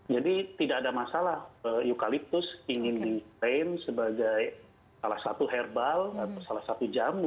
jadi tidak ada masalah eukaliptus ingin diklaim sebagai salah satu herbal atau salah satu jamu